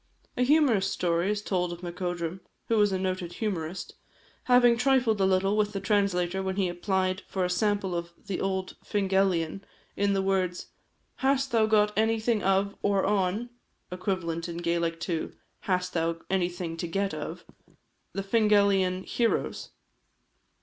A humorous story is told of Macodrum (who was a noted humorist) having trifled a little with the translator when he applied for a sample of the old Fingalian, in the words, "Hast thou got anything of, or on, (equivalent in Gaelic to hast thou anything to get of) the Fingalian heroes?"